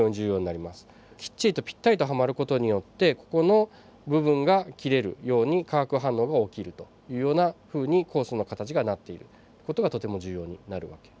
きっちりとぴったりとはまる事によってここの部分が切れるように化学反応が起きるというようなふうに酵素の形がなっている事がとても重要になる訳ですね。